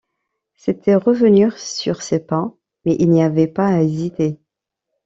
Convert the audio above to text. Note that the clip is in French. C’était revenir sur ses pas, mais il n’y avait pas à hésiter.